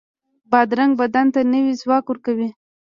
بادرنګ بدن ته نوی ځواک ورکوي.